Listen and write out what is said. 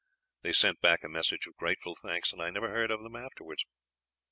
They sent back a message of grateful thanks, and I never heard of them afterwards.